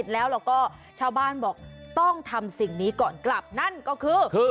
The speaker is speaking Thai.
แล้วก็ชาวบ้านบอกต้องทำสิ่งนี้ก่อนกลับนั่นก็คือ